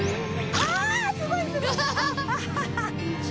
ああすごいすごい。